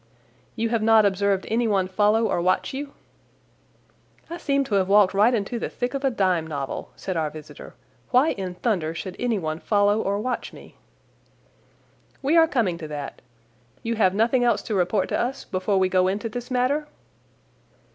"You have not observed anyone follow or watch you?" "I seem to have walked right into the thick of a dime novel," said our visitor. "Why in thunder should anyone follow or watch me?" "We are coming to that. You have nothing else to report to us before we go into this matter?"